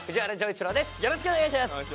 よろしくお願いします！